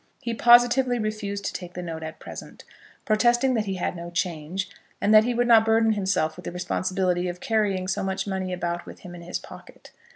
He positively refused to take the note at present, protesting that he had no change, and that he would not burden himself with the responsibility of carrying so much money about with him in his pocket.